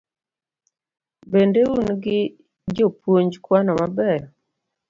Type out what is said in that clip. Bende un gi jopuonj kwano mabeyo?